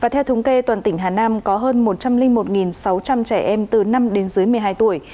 theo thống kê toàn tỉnh hà nam có hơn một trăm linh một sáu trăm linh trẻ em từ năm đến dưới một mươi hai tuổi